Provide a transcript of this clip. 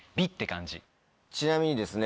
ちなみにですね